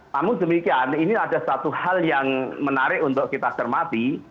namun demikian ini ada satu hal yang menarik untuk kita cermati